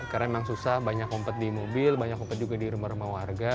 karena memang susah banyak kompet di mobil banyak kompet juga di rumah rumah warga